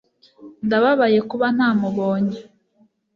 ndababaye kuba ntamubonye